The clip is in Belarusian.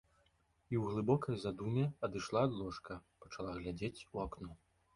І ў глыбокай задуме адышла ад ложка, пачала глядзець у акно.